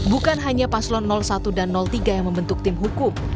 bukan hanya paslon satu dan tiga yang membentuk tim hukum